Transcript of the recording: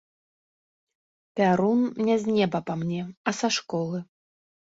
Пярун не з неба па мне, а са школы.